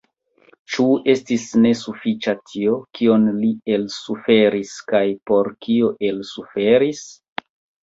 Ĉu estis ne sufiĉa tio, kion li elsuferis kaj por kio elsuferis?